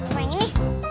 mau yang ini